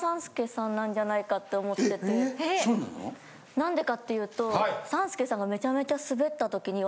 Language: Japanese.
何でかって言うと。